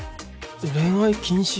「恋愛禁止」？